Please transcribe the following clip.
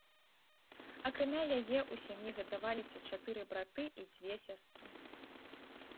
Акрамя яе ў сям'і гадаваліся чатыры браты і дзве сястры.